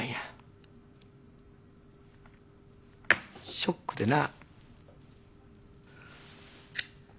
ショックでな。